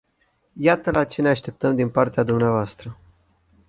Iată la ce ne așteptăm din partea dvs.